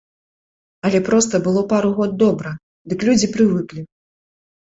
Але проста было пару год добра, дык людзі прывыклі.